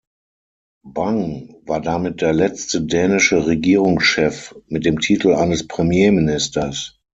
Bang war damit der letzte dänische Regierungschef mit dem Titel eines Premierministers.